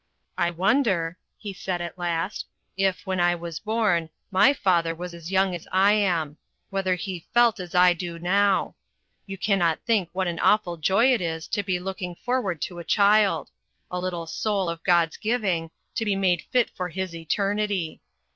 "I wonder," he said at last, "if, when I was born, MY father was as young as I am: whether he felt as I do now. You cannot think what an awful joy it is to be looking forward to a child; a little soul of God's giving, to be made fit for His eternity.